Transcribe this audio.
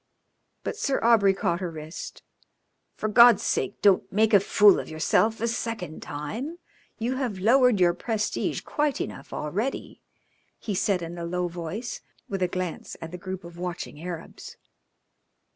But Sir Aubrey caught her wrist. "For God's sake don't make a fool of yourself a second time. You have lowered your prestige quite enough already," he said in a low voice, with a glance at the group of watching Arabs.